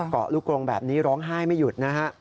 เกาะลูกกรงแบบนี้ร้องไห้ไม่หยุดนะฮะ